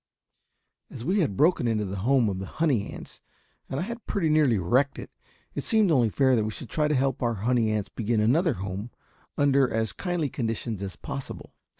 As we had broken into the home of the honey ants and had pretty nearly wrecked it, it seemed only fair that we should try to help our honey ants begin another home under as kindly conditions as possible.